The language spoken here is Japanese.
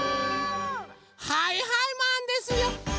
はいはいマンですよ。